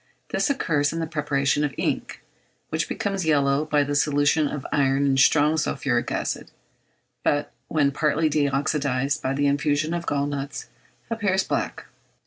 This occurs in the preparation of ink, which becomes yellow by the solution of iron in strong sulphuric acid, but when partly de oxydised by the infusion of gall nuts, appears black.